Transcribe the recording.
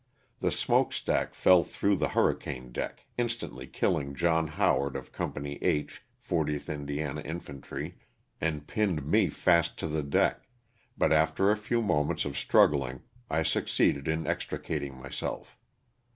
The smoke stack fell through the hurricane deck, instantly killing John Howard of Company H, 40th Indiana Infantry, and pinned me fast to the deck, but after a few moments of struggling I succeeded in extricating myself.